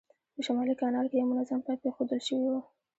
په شمالي کانال کې یو منظم پایپ اېښودل شوی و.